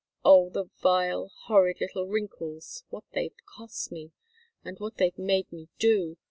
Oh, the vile, horrid little wrinkles what they've cost me! And what they've made me do!